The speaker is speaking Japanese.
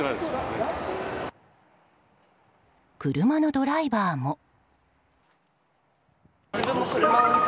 車のドライバーも。